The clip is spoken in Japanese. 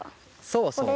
そうそう。